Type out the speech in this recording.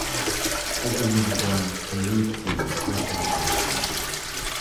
urluvrem qelutii cagniuq